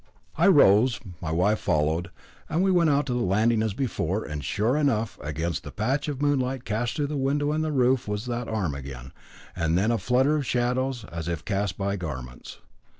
I rose, my wife followed, and we went to the landing as before, and, sure enough, against the patch of moonlight cast through the window in the roof, was the arm again, and then a flutter of shadows, as if cast by garments.